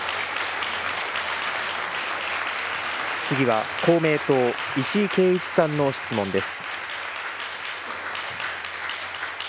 次は公明党、石井啓一さんの質問です。